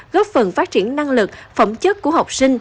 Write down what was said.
góp phần phát triển năng lực phẩm chất của học sinh